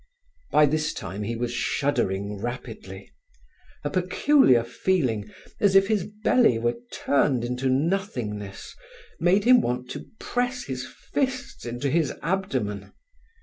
By this time he was shuddering rapidly. A peculiar feeling, as if his belly were turned into nothingness, made him want to press his fists into his abdomen.